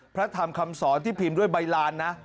พระธรรมคำสอนที่พิมพ์ด้วยใบลานนะ